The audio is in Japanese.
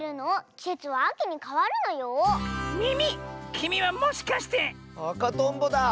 きみはもしかして⁉あかとんぼだ！